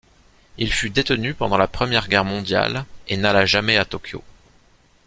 Il y fut détenu pendant la Première Guerre mondiale et n'alla jamais à Tokyo.